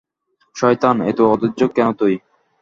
শয়তান, এতো অধৈর্য কেন তুই?